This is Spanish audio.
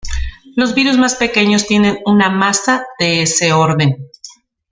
Los virus más pequeños tienen una masa de ese orden.